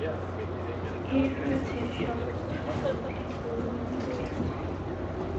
এর রয়েছে শত বছরেরও অধিক গৌরবময় ইতিহাস।